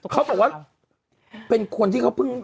เขาบอกว่าเป็นคนที่เขาเพิ่ง